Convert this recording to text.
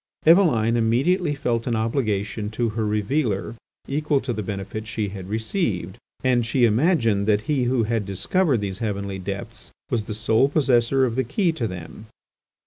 Eveline immediately felt an obligation to her revealer equal to the benefit she had received, and she imagined that he who had discovered these heavenly depths was the sole possessor of the key to them.